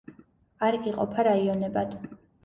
არ იყოფა რაიონებად.